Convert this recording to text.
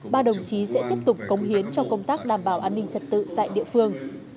ba đồng chí sẽ tiếp tục cống hiến cho công tác đảm bảo an ninh trật tự tại địa phương